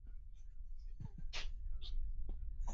短叶赤车为荨麻科赤车属下的一个种。